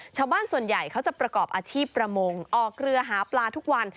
ชาวบ้านส่วนใหญ่เขาจะประกอบอาชีพประมงออกเรือหาปลาทุกวัน